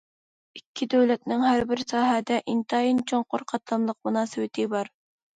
ئىككى دۆلەتنىڭ ھەر بىر ساھەدە ئىنتايىن چوڭقۇر قاتلاملىق مۇناسىۋىتى بار.